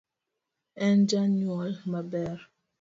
En janyuol maber